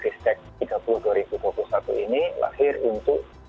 ristek tiga puluh dua ribu dua puluh satu ini lahir untuk